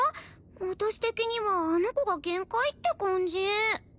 私的にはあの子が限界って感じ